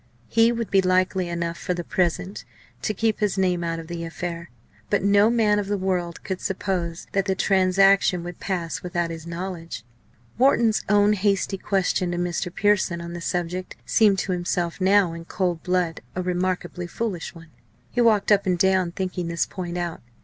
He would be likely enough for the present to keep his name out of the affair. But no man of the world could suppose that the transaction would pass without his knowledge. Wharton's own hasty question to Mr. Pearson on the subject seemed to himself now, in cold blood, a remarkably foolish one. He walked up and down thinking this point out.